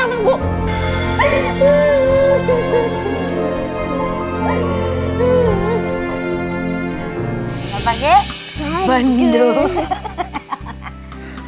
aduh gemoy banget